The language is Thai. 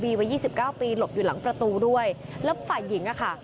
พี่แรกมีปากเสี่ยงแล้วนีบไปเถียงเค้า